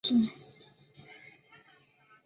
兵事属南女直汤河司。